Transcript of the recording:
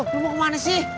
lo mau ke mana sih